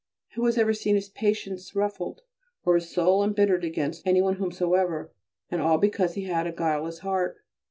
Who has ever seen his patience ruffled or his soul embittered against any one whomsoever? and all because he had a guileless heart.